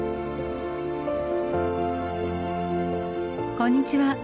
こんにちは。